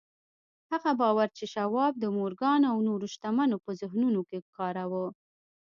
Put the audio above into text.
هغه باور چې شواب د مورګان او نورو شتمنو په ذهنونو کې وکاره.